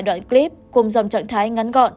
đoạn clip cùng dòng trạng thái ngắn gọn